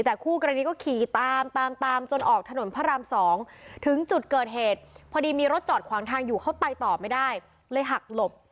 แต่คู่กรณีก็ขี่ตามตามจนออกถนนพระราม๒ถึงจุดเกิดเหตุพอดีมีรถจอดขวางทางอยู่เขาไปต่อไม่ได้เลยหักหลบ